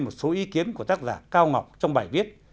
một câu hỏi của tác giả cao ngọc trong bài viết